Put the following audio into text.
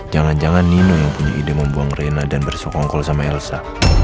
jangan jangan nino yang punya ide membuang rena dan bersekongkol sama elsa